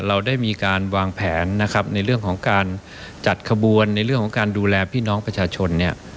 เราได้มีการวางแผนนะครับในเรื่องของการจัดขบวนในเรื่องของการดูแลพี่น้องประชาชนเนี่ย